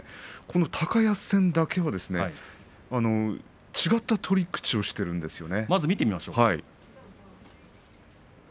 高安戦だけは違った取り口をしているんですよね。